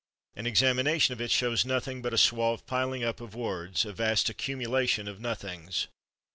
An examination of it shows nothing but a suave piling up of words, a vast accumulation of nothings.